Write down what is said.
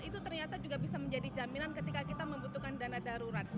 itu ternyata juga bisa menjadi jaminan ketika kita membutuhkan dana darurat